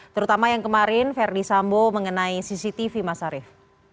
terutama yang kemarin verdi sambo mengenai cctv mas arief